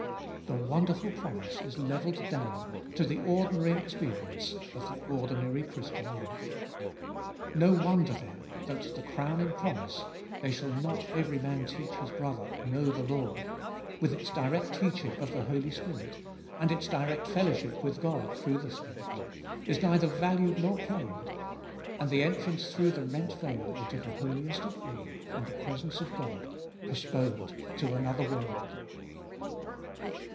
The wonderful promise is levelled down to the ordinary experience of the ordinary Christian life. No wonder then that the crowning promise, They shall not every man teach his brother, Know the Lord, with its direct teaching of the Holy Spirit, and its direct fellowship with God through the Spirit, is neither valued nor claimed, and the entrance through the rent veil into the Holiest of All and the presence of God postponed to another world.